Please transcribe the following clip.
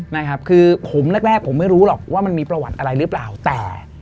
นะครับคือผมแรกแรกผมไม่รู้หรอกว่ามันมีประวัติอะไรหรือเปล่าแต่